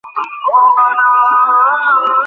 Costa তার হয়ে চুরির মাল বিক্রি করতো।